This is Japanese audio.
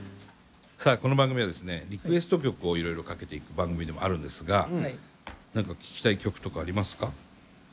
さあこの番組はですねリクエスト曲をいろいろかけていく番組でもあるんですが何か聴きたい曲とかありますか？